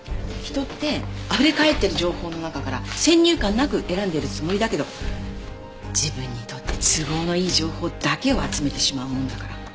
人ってあふれかえってる情報の中から先入観なく選んでるつもりだけど自分にとって都合のいい情報だけを集めてしまうものだから。